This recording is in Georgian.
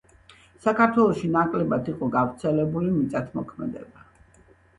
საქართველოში ნაკლებად იყო გავრცელებული მიწათმოქმედება